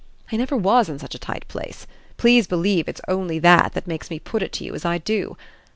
I never was in such a tight place: please believe it's only that that makes me put it to you as I do.